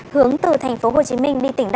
hướng từ thành phố hồ chí minh đi tỉnh